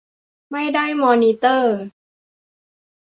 ไม่ได้มอนิเตอร์